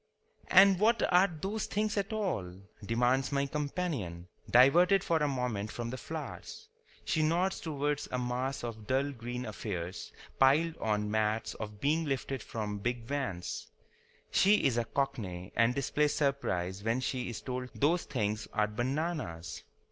"And what are those things at all?" demands my companion, diverted for a moment from the flowers. She nods towards a mass of dull green affairs piled on mats or being lifted from big vans. She is a Cockney and displays surprise when she is told those things are bananas.